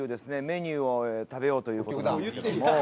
メニューを食べようという事なんですけども。